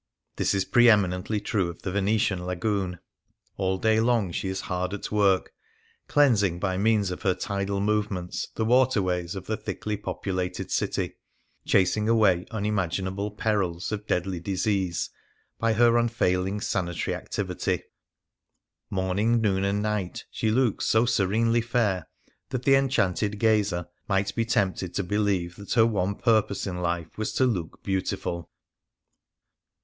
This is pre eminently true of the Venetian Lagoon. All day long she is hard at work, cleansing by means of her tidal move ments the waterways of the thickly populated city, chasing away unimaginable perils of deadly disease by her unfailing sanitary activity ; morn ing, noon, and night she looks so serenely fair that the enchanted gazer might be tempted to believe that her one purpose in life was to look beautiful.